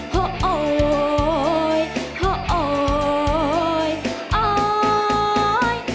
โฮโอ๊ยโฮโอ๊ยโอ่อย